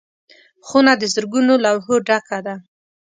خونه د زرګونو لوحو ډکه ده.